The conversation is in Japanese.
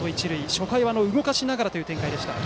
初回は動かしながらという展開でした。